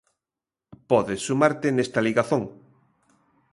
Podes sumarte nesta ligazón.